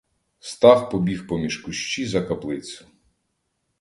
Стах побіг поміж кущі за каплицю.